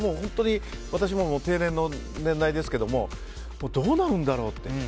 私も定年の年代ですけどもどうなるんだろうって。